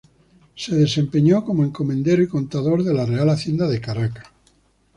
Se desempeñó como encomendero y contador de la Real Hacienda de Caracas.